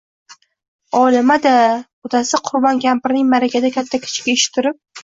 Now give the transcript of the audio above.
«Olima-da!» — Qudasi Qurbon kampirning maʼrakada katta-kichikka eshittirib